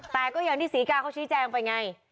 แต่ก็อย่างที่ศรีกาเขาชี้แจงไปไง